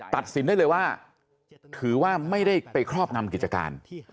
ตัดสินได้เลยว่าถือว่าไม่ได้ไปครอบงำกิจการ